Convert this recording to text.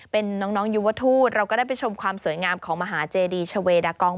เป็นน้องยุวทูตเราก็ได้ไปชมความสวยงามของมหาเจดีชาเวดากอง